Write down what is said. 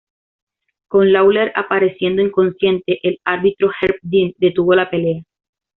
Con Lawler apareciendo inconsciente, el árbitro Herb Dean detuvo la pelea.